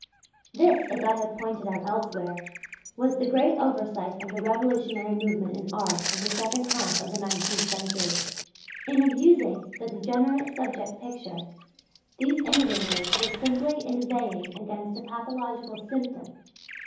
This, as I have pointed out elsewhere, was the great oversight of the revolutionary movement in Art of the second half of the nineteenth century. In abusing the degenerate "subject" picture, these innovators were simply inveighing against a pathological symptom.